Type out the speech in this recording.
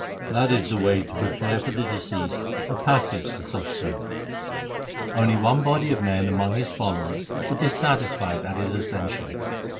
That is the way to prepare for the deceased a passage to Sach Khand.' Only one body of men among his followers were dissatisfied at his accession.